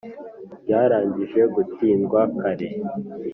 ryarangije gutindwa kare